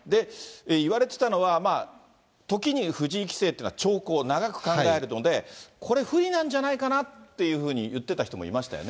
言われてたのは、時に藤井棋聖というのは長考、長く考えるので、これ、不利なんじゃないかなっていうふうにいってた人もいましたよね。